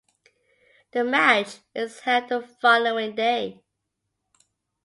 The match is held the following day.